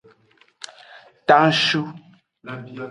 Tanshu.